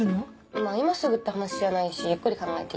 まぁ今すぐって話じゃないしゆっくり考えていいって。